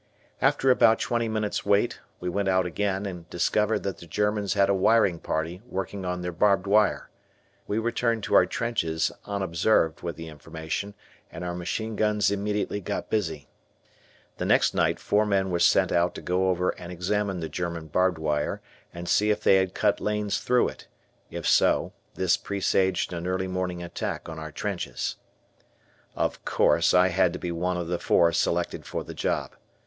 After about twenty minutes' wait we went out again and discovered that the Germans had a wiring party working on their barbed wire. We returned to our trenches unobserved with the information and our machine guns immediately got busy. The next night four men were sent out to go over and examine the German barbed wire and see if they had cut lanes through it; if so, this presaged an early morning attack on our trenches. Of course, I had to be one of the four selected for the job.